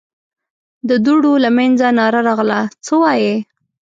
د دوړو له مينځه ناره راغله: څه وايې؟